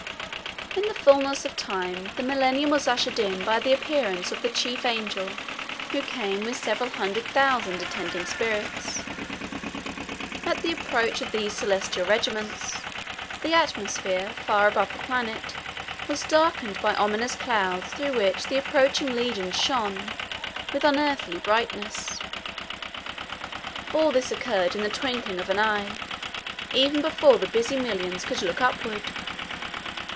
In the fullness of time the Millennium was ushered in by the appearance of the chief angel who came with several hundred thousand attending spirits. At the approach of these celestial regiments the atmosphere far above the planet was darkened by ominous clouds through which the approaching legions shone with unearthly brightness. All this occurred in the twinkling of an eye, even before the busy millions could look upward.